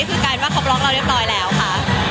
คือกลายเป็นว่าเขาบล็อกเราเรียบร้อยแล้วค่ะ